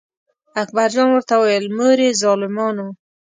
اکبر جان ورته وویل: مورې ظالمانو.